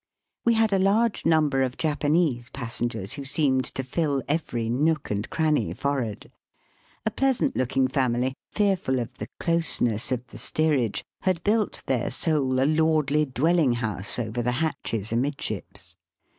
We had a large number of Japanese pas sengers who seemed to fill every nook and cranny for'ard. A pleasant looking family, fearful of the closeness of the steerage, had built their soul a lordly dwelling house over the hatches amidships.